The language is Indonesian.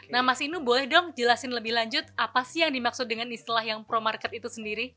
nah mas inu boleh dong jelasin lebih lanjut apa sih yang dimaksud dengan istilah yang pro market itu sendiri